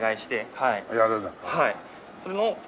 はい。